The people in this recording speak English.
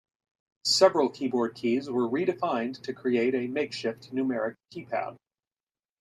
Several keyboard keys were redefined to create a makeshift numeric keypad.